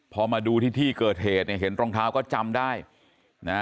พอมาดูที่ที่เกิดเหตุเนี่ยเห็นรองเท้าก็จำได้นะ